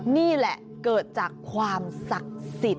นี่แหละเกิดจากความศักดิ์สิทธิ์